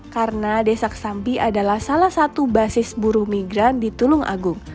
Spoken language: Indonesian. karena desa kesambi adalah salah satu basis buruh migran di tulung agung